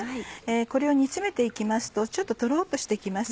これを煮詰めて行きますとちょっととろっとして来ます。